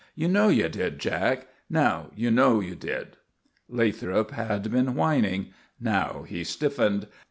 You know you did, Jack; now you know you did." Lathrop had been whining. Now he stiffened.